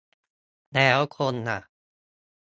แล้วคนล่ะ